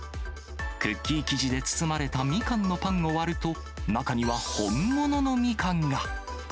クッキー生地で包まれたみかんのパンを割ると、中には本物のみかんが。